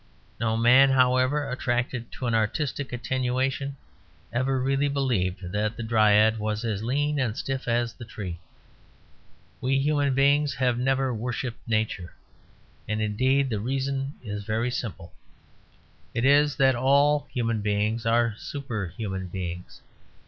No man, however attracted to an artistic attenuation, ever really believed that the Dryad was as lean and stiff as the tree. We human beings have never worshipped Nature; and indeed, the reason is very simple. It is that all human beings are superhuman beings.